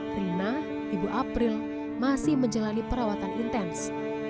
rina ibu april masih menjalani perawatan intens